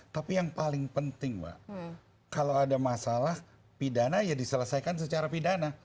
tapi yang paling penting mbak kalau ada masalah pidana ya diselesaikan secara pidana